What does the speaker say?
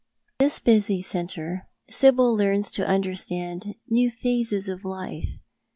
In this busy centre Sibyl learns to understand new phases of life.